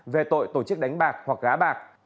về tội tổ chức đánh bạc hoặc gá bạc